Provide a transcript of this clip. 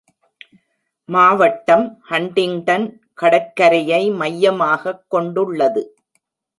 மாவட்டம் ஹண்டிங்டன் கடற்கரையை மையமாகக் கொண்டுள்ளது.